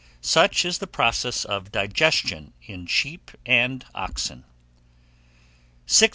Such is the process of digestion in sheep and oxen. 682.